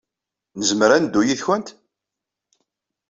Nezmer ad neddu yid-went?